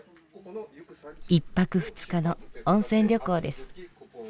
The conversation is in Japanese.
１泊２日の温泉旅行です。